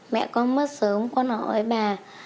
mẹ con mất sớm con hỏi bà